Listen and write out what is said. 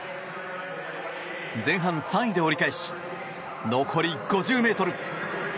前半３位で折り返し残り５０ｍ。